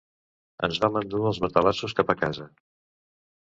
Ens vam endur els matalassos cap a casa.